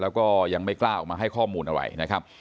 แล้วก็ยังไม่กล้าออกมาให้ข้อมูลอะไรนะครับ